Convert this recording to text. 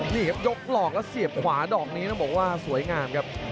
นี่ครับยกหลอกแล้วเสียบขวาดอกนี้ต้องบอกว่าสวยงามครับ